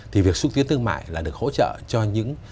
thì việc xúc tiến thương mại là được hỗ trợ cho những